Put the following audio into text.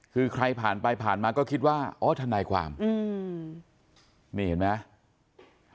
คือใครผ่านไปผ่านมาก็คิดว่าอ๋อทนายความอืมนี่เห็นไหม